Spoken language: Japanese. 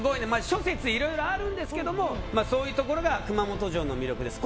諸説、いろいろあるんですけどそういうところが熊本城の魅力です。